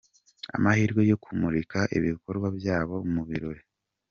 Amahirwe yo kumurika ibikorwa byabo mu birori.